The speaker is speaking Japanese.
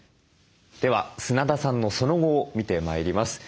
では砂田さんのその後を見てまいります。